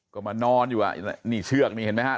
ก็มานอนอยู่นี่เชือกนี่เห็นมั้ยฮะ